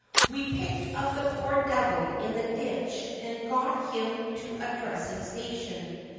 We picked up the poor devil in the ditch and got him to a dressing station.